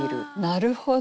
なるほど。